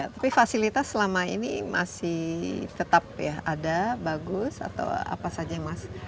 tapi fasilitas selama ini masih tetap ya ada bagus atau apa saja mas